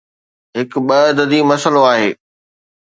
هڪ ٻه عددي مسئلو آهي.